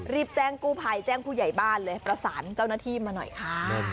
รีบแจงกูไพ้แจงผู้ใหญ่บ้านเลยประสานเจ้านาฬินมาหน่อยค่ะ